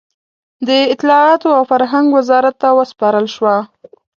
د اطلاعاتو او فرهنګ وزارت ته وسپارل شوه.